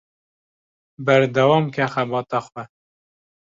Berdewamke xebata xwe.